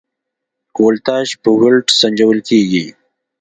ولتاژ په ولټ سنجول کېږي.